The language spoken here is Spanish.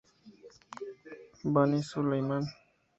Bani Sulayman